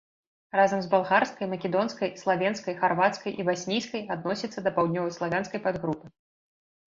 Разам з балгарскай, македонскай, славенскай, харвацкай і баснійскай адносіцца да паўднёваславянскай падгрупы.